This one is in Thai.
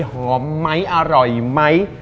หอมมั้ยอร่อยมั้ย